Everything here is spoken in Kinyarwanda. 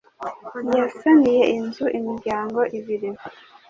yasaniye inzu imiryango ibiri